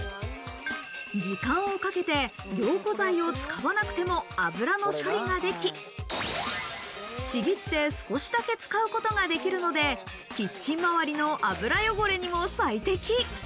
時間をかけて凝固剤を使わなくても油の処理ができ、ちぎって少しだけ使うことができるのでキッチン周りの油汚れにも最適。